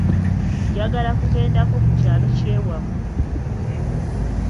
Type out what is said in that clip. Njagala kugendako ku kyalo kyewammwe.